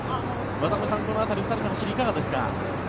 渡辺さん、この２人の走りいかがですか。